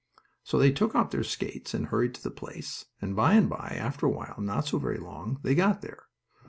So they took off their skates and hurried to the place, and by and by, after awhile, not so very long, they got there.